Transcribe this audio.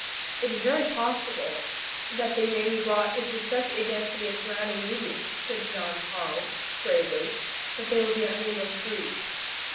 "It is very possible that they may be brought into such a density of surrounding medium," said Jan Harald, gravely, "that they will be unable to breathe."